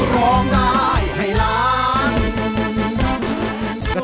ร้องได้ให้ล้าน